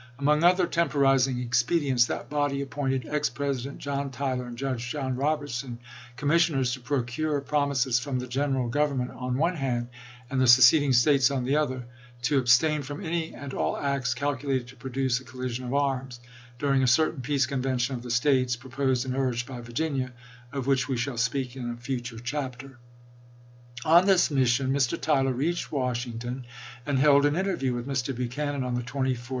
iSaJpJfS; Among other temporizing expedients, that body appointed ex President John Tyler and Judge John Robertson commissioners to procure prom ises from the general Government on one hand, and the seceding States on the other, to abstain "from any and all acts calculated to produce a collision of arms," during a certain Peace Conven tion of the States, proposed and urged by Virginia, of which we shall speak in a future chapter. On this mission Mr. Tyler reached Washington and held an interview with Mr. Buchanan on the 24th lsei.